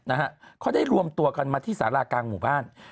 นะฮะเขาได้รวมตัวกันมาที่สารากลางหมู่บ้าน